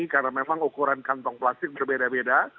karena memang ukuran kantong plastik berbeda beda